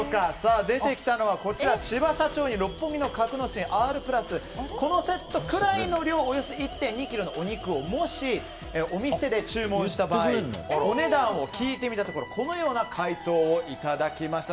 出てきたのは千葉社長に六本木の格之進Ｒ＋でこのセットくらいの量およそ１．２ｋｇのお肉をもしお店で注文した場合のお値段を聞いてみたところこのような回答をいただきました。